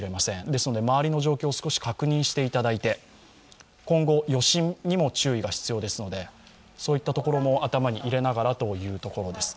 ですので、周りの状況を少し確認していただいて今後余震にも注意が必要ですのでそういったことも頭に入れながらというところです。